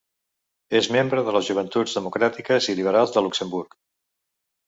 És membre de les joventuts democràtiques i liberals de Luxemburg.